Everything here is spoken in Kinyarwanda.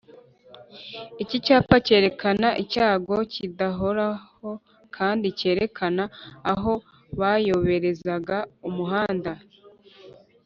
Iki cyapa cyerekana icyago kidahoraho kandi cyerekana aho bayobereza umuhanda